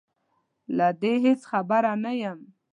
له دې هېڅ خبره نه یم